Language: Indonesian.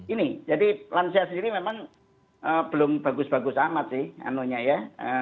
ini jadi lansia sendiri memang belum bagus bagus amat sih anunya ya